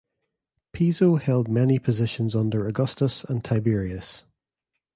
Piso held many positions under Augustus and Tiberius.